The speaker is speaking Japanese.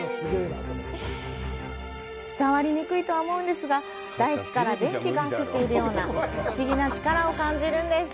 伝わりにくいと思うんですが、大地から電気が走っているような不思議な力を感じるんです。